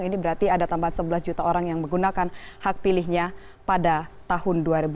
ini berarti ada tambahan sebelas juta orang yang menggunakan hak pilihnya pada tahun dua ribu sembilan belas